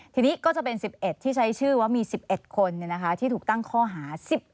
ทีนี้ก็จะเป็น๑๑ที่ใช้ชื่อว่ามี๑๑คนที่ถูกตั้งข้อหา๑๑